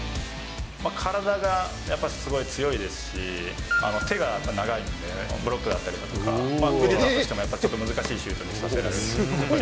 体がやっぱりすごい強いですし、手が長いので、ブロックだったりとか、打てたとしても、ちょっと難しいシュートもさせられたり。